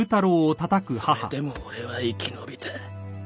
それでも俺は生き延びた